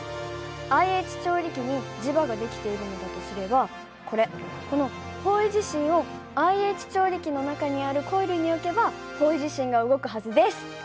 ＩＨ調理器に磁場ができているのだとすればこれこの方位磁針をＩＨ調理器の中にあるコイルに置けば方位磁針が動くはずです！